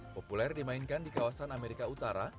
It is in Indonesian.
populer dimainkan di kawasan amerika utara